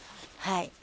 はい。